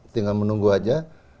tinggal menunggu saja